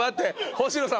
星乃さん